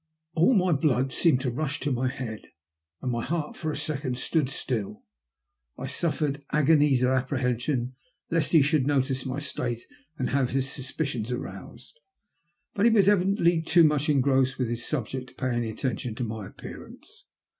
All my blood seemed to rush to my head, and my heart for a second stood still. I suffered agonies of apprehension lest he should notice my state and have his suspicions aroused, but he was evidently too much engrossed with his subject to pay any attention to my appearance.